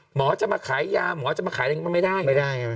หมอจะมาขายยาหมอจะมาขายอะไรมันไม่ได้